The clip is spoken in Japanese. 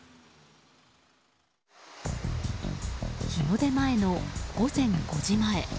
日の出前の午前５時前。